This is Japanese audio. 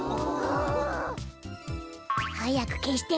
はやくけして。